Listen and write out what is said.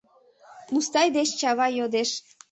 — Мустай деч Чавай йодеш.